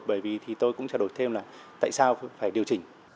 bởi vì tôi cũng trao đổi thêm là tại sao phải điều chỉnh